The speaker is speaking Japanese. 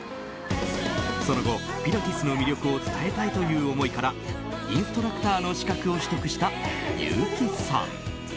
その後、ピラティスの魅力を伝えたいという思いからインストラクターの資格を取得した優木さん。